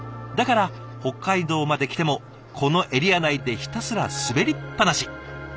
だから北海道まで来てもこのエリア内でひたすら滑りっぱなし。